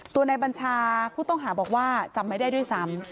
ตัวนายบัญชาผู้ต้องหาบอกว่าจำไม่ได้ด้วยซ้ำ